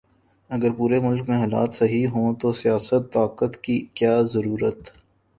اگر پورے ملک میں حالات صحیح ھوں تو سیاست، طاقت، کی کیا ضرورت